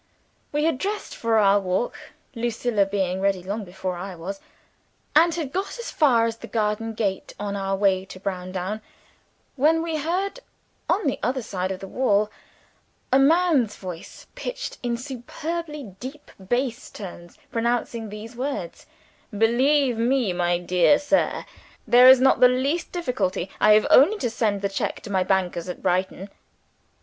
We had dressed for our walk (Lucilla being ready long before I was), and had got as far as the garden gate on our way to Browndown when we heard, on the other side of the wall, a man's voice, pitched in superbly deep bass tones, pronouncing these words: "Believe me, my dear sir, there is not the least difficulty. I have only to send the cheque to my bankers at Brighton."